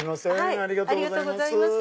ありがとうございます。